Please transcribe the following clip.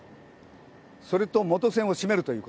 それと、元栓を閉めるということ。